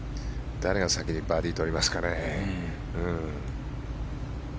誰が先にバーディー取りますかね。